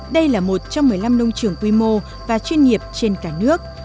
đây là một trong một mươi năm nông trường quy mô và chuyên nghiệp trên cả nước